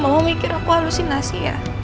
mama mikir aku halusinasi